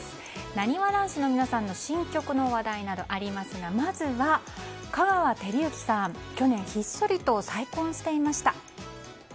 なにわ男子の皆さんの新曲の話題などありますがまずは、香川照之さん去年ひっそりと再婚していました。